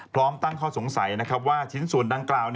พร้อมตั้งข้อสงสัยนะครับว่าชิ้นส่วนดังกล่าว